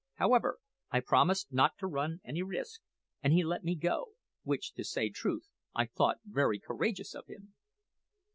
However, I promised not to run any risk, and he let me go which, to say truth, I thought very courageous of him!"